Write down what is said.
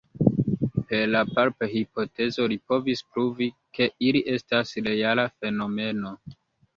Per la palp-hipotezo li povis pruvi, ke ili estas reala fenomeno.